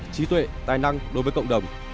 trí tuệ tài năng đối với cộng đồng